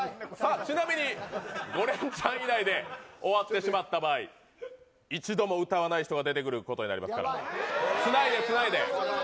ちなみに５レンチャン以内で終わってしまった場合一度も歌わない人が出てくることになりますからつないで、つないで。